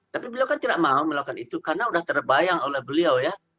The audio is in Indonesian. tapi beliau kan tidak mau melakukan itu karena sudah terbayang oleh beliau ya